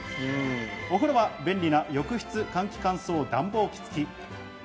お風呂は便利な浴室換気乾燥暖房機つき。